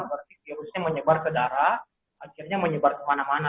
berarti virusnya menyebar ke darah akhirnya menyebar kemana mana